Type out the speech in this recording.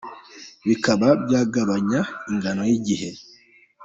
bikaba byagabanya ingano y'igihe